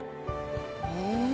へえ！